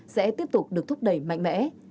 sẽ tiếp tục được thúc đẩy mạnh mẽ